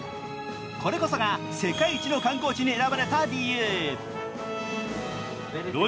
これこそが世界一の観光地に選ばれた理由。